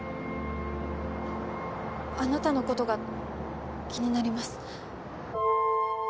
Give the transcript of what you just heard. あなたのことが気になります